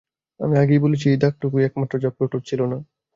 আমি আগেই বলেছি এই দাগটুকুই একমাত্র যা প্লুটোর ছিল না।